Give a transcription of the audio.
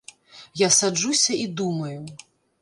Я саджуся і думаю.